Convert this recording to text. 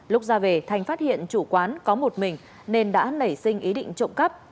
lúc ra về thành phát hiện chủ quán có một mình nên đã nảy sinh ý định trộm cắp